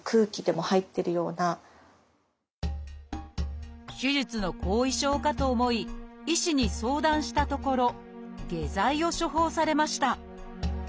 さらに手術の後遺症かと思い医師に相談したところ下剤を処方されました。